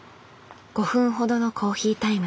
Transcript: ５分ほどのコーヒータイム。